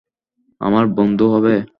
আমার বন্ধু হবে?